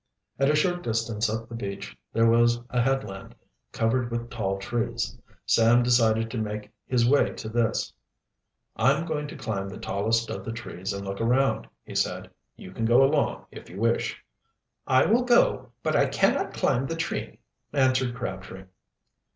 At a short distance up the beach there was a headland, covered with tall trees. Sam decided to make his way to this. "I'm going to climb the tallest of the trees and look around," he said. "You can go along, if you wish." "I will go, but I cannot climb the tree," answered Crabtree.